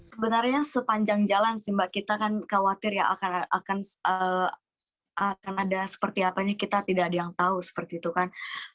sebenarnya sepanjang jalan sih mbak kita kan khawatir ya akan ada seperti apanya kita tidak ada yang tahu seperti itu kan